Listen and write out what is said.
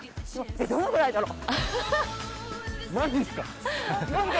どのぐらいだろう？